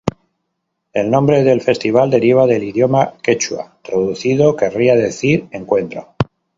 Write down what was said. El nombre del festival deriva del idioma quechua, traducido querría decir: Encuentro.